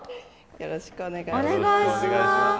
よろしくお願いします。